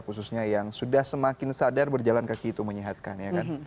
khususnya yang sudah semakin sadar berjalan kaki itu menyehatkan